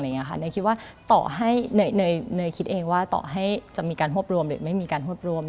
เนยคิดว่าต่อให้เนยคิดเองว่าต่อให้จะมีการรวบรวมหรือไม่มีการรวบรวม